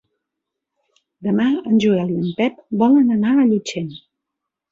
Demà en Joel i en Pep volen anar a Llutxent.